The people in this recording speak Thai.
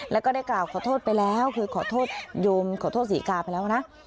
แล้วก็ได้กล่าวขอโทษไปแล้วคือขอโทษโยมขอโทษศรีกาไปแล้วนะ